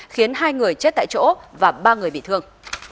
khiến hai người chết tại chỗ và ba người bị thương